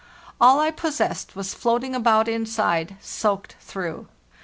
All I possessed was floating about inside, soaked through.